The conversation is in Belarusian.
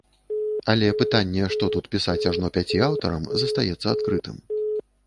Але пытанне, што тут пісаць ажно пяці аўтарам, застаецца адкрытым.